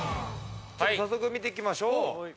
早速、見ていきましょう。